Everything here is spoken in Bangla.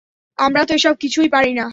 আমরা তো এসব কিছুই পারি না।